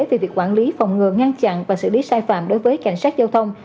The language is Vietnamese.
về việc quản lý phòng ngừa ngăn chặn và xử lý sai phạm đối với cảnh sát giao thông